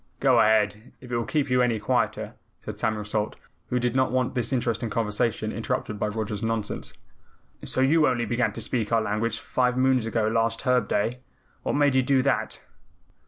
"Go ahead, if it will keep you any quieter," said Samuel Salt, who did not want this interesting conversation interrupted by Roger's nonsense. "So you only began to speak our language five moons ago last Herb Day? What made you do that?"